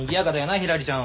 ひらりちゃんは。